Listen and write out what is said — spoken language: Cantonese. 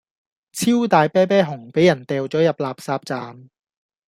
超大啤啤熊俾人掉左入垃圾站